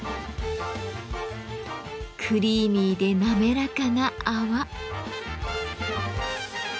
クリーミーで滑らかな泡。